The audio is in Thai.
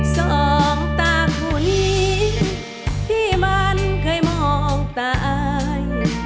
สองตาคู่นี้ที่มันเคยมองตาย